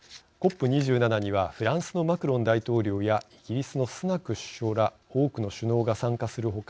ＣＯＰ２７にはフランスのマクロン大統領やイギリスのスナク首相ら多くの首脳が参加する他